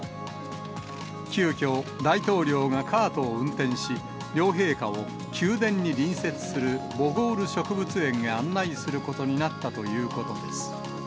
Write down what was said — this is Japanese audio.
急きょ、大統領がカートを運転し、両陛下を宮殿に隣接するボゴール植物園へ案内することになったということです。